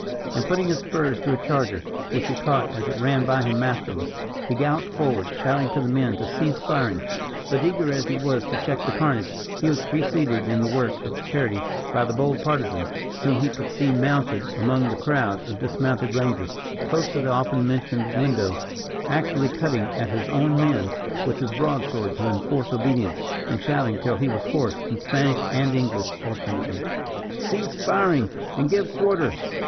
And putting his spurs to a charger, which he caught as it ran by him masterless, he galloped forward, shouting to the men to cease firing. But eager as he was to check the carnage, he was preceded in the work of charity by the bold Partisan, whom he could see mounted among the crowd of dismounted rangers, close to the often mentioned window, actually cutting at his own men with his broadsword to enforce obedience, and shouting till he was hoarse, in Spanish and English alternately: "Cease firing, and give quarter."